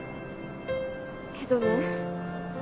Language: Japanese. けどね